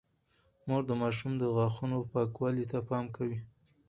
مور د ماشوم د غاښونو پاکوالي ته پام کوي۔